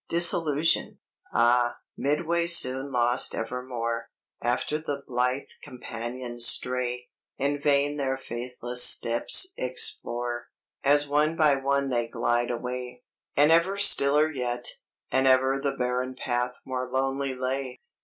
DISILLUSION "Ah! midway soon lost evermore, After the blithe companions stray; In vain their faithless steps explore, As one by one they glide away. "And ever stiller yet, and ever The barren path more lonely lay.